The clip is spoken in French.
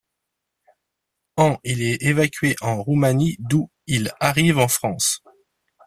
En il est évacué en Roumanie d'où il arrive en France.